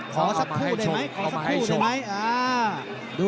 ขอสักคู่ได้ไหม